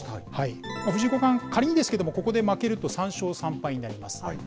藤井五冠、仮にですけれども、ここで負けると、３勝３敗になります。